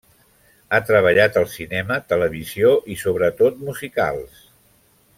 Ha treballat al cinema, televisió i sobretot musicals.